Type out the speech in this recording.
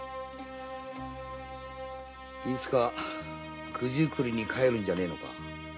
いつか九十九里に帰るんじゃねぇのかい。